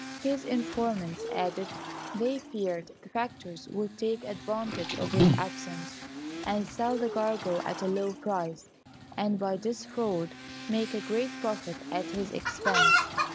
His informants added, they feared the factors would take advantage of his absence, and sell the cargo at a low price, and by this fraud make a great profit at his expense.